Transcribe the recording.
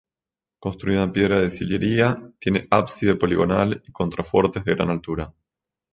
Construida en piedra de sillería, tiene el ábside poligonal y contrafuertes de gran altura.